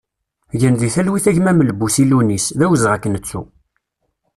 Gen di talwit a gma Melbusi Lewnis, d awezɣi ad k-nettu!